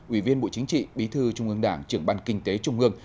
ủy viên bộ chính trị bí thư trung ương đảng trưởng ban kinh tế trung ương